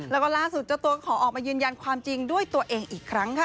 แล้วก็ล่าสุดเจ้าตัวขอออกมายืนยันความจริงด้วยตัวเองอีกครั้งค่ะ